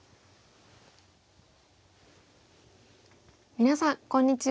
皆さんこんにちは。